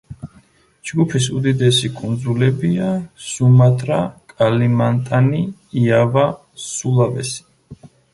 ჯგუფის უდიდესი კუნძულებია: სუმატრა, კალიმანტანი, იავა, სულავესი.